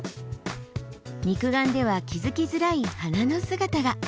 肉眼では気付きづらい花の姿が。